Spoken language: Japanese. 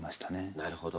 なるほど。